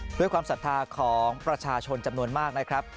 ความศรัทธาของประชาชนจำนวนมากนะครับ